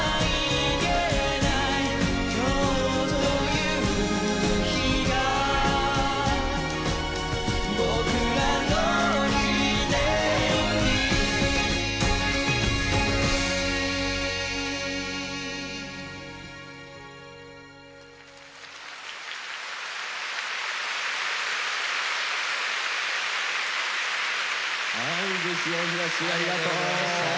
ありがとうございます。